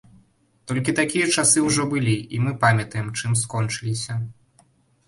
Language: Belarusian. Толькі такія часы ўжо былі, і мы памятаем, чым скончыліся.